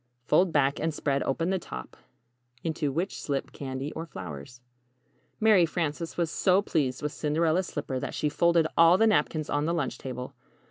Fold back and spread open the top, into which slip candy or flowers] Mary Frances was so pleased with the Cinderella's slipper that she folded all the napkins on the lunch table.